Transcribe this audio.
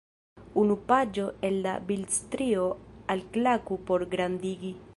Unu paĝo el la bildstrio - alklaku por grandigi.